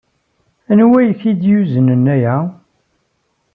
Anwa ay ak-d-yuznen aya?